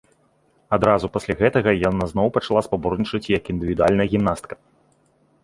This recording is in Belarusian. Адразу пасля гэтага яна зноў пачала спаборнічаць як індывідуальная гімнастка.